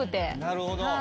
なるほど。